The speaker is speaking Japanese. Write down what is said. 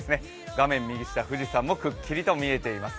画面右下、富士山もくっきり見えています。